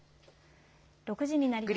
６時になりました。